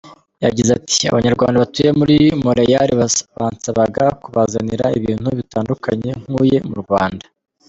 Yagize ati “Abanyarwanda batuye muri Montreal bansabaga kubazanira ibintu bitandukanye nkuye mu Rwanda.